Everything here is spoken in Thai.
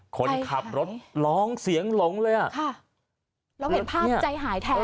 คนขับรถร้องเสียงหลงเลยอ่ะค่ะเราเห็นภาพใจหายแทน